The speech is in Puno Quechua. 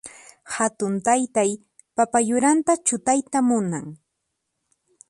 Hatun taytay papa yuranta chutayta munan.